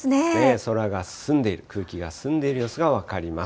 空が澄んでいる、空気が澄んでいる様子が分かります。